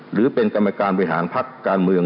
หรือเป็นกรรมการบริหารพักการเมือง